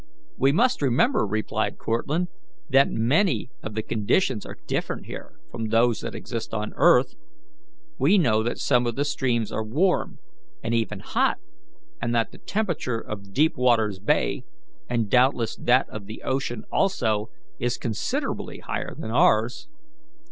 "We must remember," replied Cortlandt, "that many of the conditions are different here from those that exist on earth. We know that some of the streams are warm, and even hot, and that the temperature of Deepwaters Bay, and doubtless that of the ocean also, is considerably higher than ours.